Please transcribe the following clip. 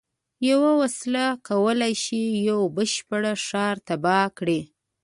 یوه وسله کولای شي یو بشپړ ښار تباه کړي